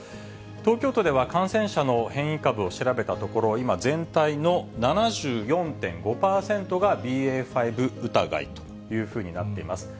東京都では、感染者の変異株を調べたところ、今、全体の７４．５％がＢＡ．５疑いというふうになっています。